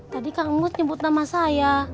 tadi kak mus nyebut nama saya